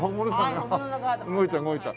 あっ動いた動いた。